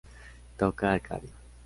Toca Arcade.